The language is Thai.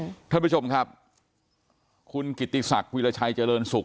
ท่านผู้ชมครับคุณกิติศักดิราชัยเจริญสุข